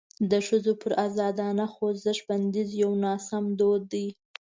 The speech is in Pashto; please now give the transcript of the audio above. د ښځو پر ازادانه خوځښت بندیز یو ناسم دود دی.